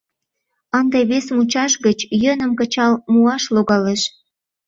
Ынде вес мучаш гыч йӧным кычал муаш логалеш.